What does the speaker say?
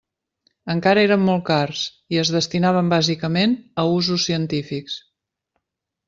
Encara eren molt cars, i es destinaven bàsicament a usos científics.